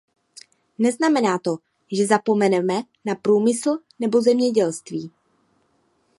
Neznamená to, že zapomeneme na průmysl nebo zemědělství.